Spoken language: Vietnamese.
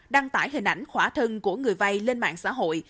đăng tải hình ảnh khỏa thân của người vay lên mạng xã hội